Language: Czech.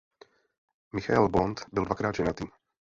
Michael Bond byl dvakrát ženatý.